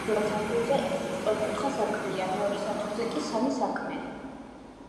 პირველ სართულზე ერთი სწორკუთხა სარკმელია, მეორე სართულზე კი სამი სარკმელი.